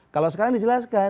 kalau sekarang dijelaskan